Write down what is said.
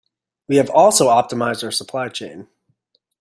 We have also optimised our supply chain.